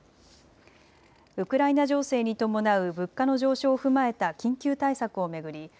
ウクライナ情勢に伴う物価の上昇を踏まえた緊急対策を巡り